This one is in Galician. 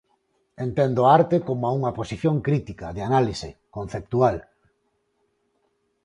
Entendo a arte como unha posición crítica, de análise, conceptual.